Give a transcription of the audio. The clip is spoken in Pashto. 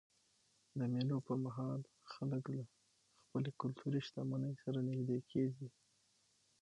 د مېلو پر مهال خلک له خپلي کلتوري شتمنۍ سره نيژدې کېږي.